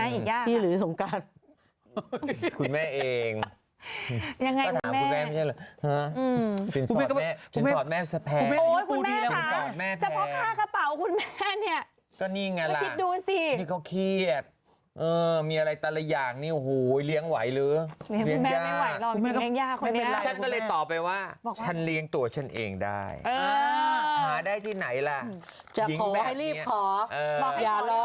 หยุดที่กูกับเขาคิดไหมไม่ได้เนี่ยพี่เลยต่อไปว่าฉันเรียงตัวฉันเองได้อือหาได้ที่ไหนล่ะจะขอให้รีบขอเออ